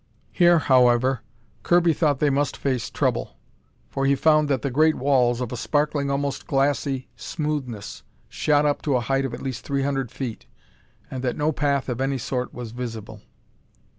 Here, however, Kirby thought they must face trouble, for he found that the great walls, of a sparkling, almost glassy smoothness, shot up to a height of at least three hundred feet, and that no path of any sort was visible.